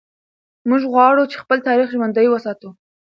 موږ غواړو چې خپل تاریخ ژوندی وساتو.